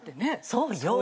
そうよ。